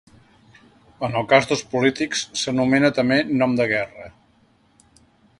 En el cas dels polítics, s'anomena també nom de guerra.